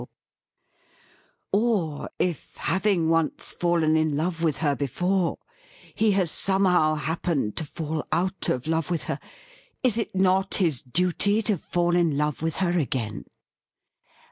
'THY KINDNESS FREEZES' 283 • Or if, having once fallen in love with her before, he has somehow happened to fall out of love with her, is it not his duty to fall in love with her again